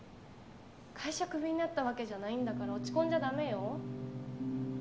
会社クビになったわけじゃないんだから落ち込んじゃダメよ